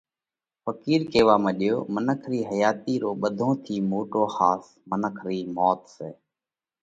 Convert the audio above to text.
ڦقِير ڪيوا مڏيو: منک رِي حياتِي رو ٻڌون ٿِي موٽو ۿاس منک رئِي موت سئہ۔